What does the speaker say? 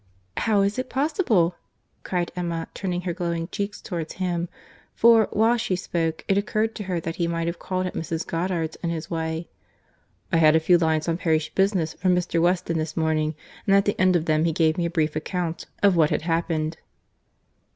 "How is it possible?" cried Emma, turning her glowing cheeks towards him; for, while she spoke, it occurred to her that he might have called at Mrs. Goddard's in his way. "I had a few lines on parish business from Mr. Weston this morning, and at the end of them he gave me a brief account of what had happened."